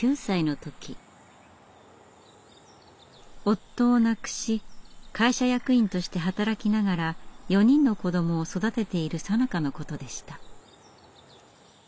夫を亡くし会社役員として働きながら４人の子どもを育てているさなかのことでした。